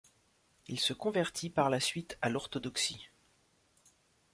Il se convertit par la suite à l'orthodoxie.